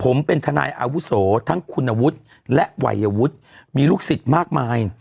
ผมเป็นทนายอาวุศโอทั้งคุณอาวุธและหวัยอาวุธมีลูกศิษฐ์มากมาย